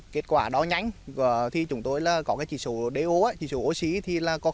kết quả đo nhanh chúng tôi có chỉ số oxy có hai